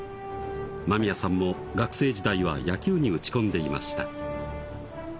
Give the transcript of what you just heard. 間宮さんも学生時代は野球に打ち込んでいました